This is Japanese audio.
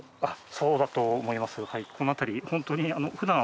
そうだと思います。